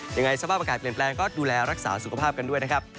ยังไงสภาพอากาศเปลี่ยนแปลงก็ดูแลรักษาสุขภาพกันด้วยนะครับ